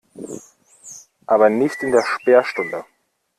Aber nicht in der Sperrstunde.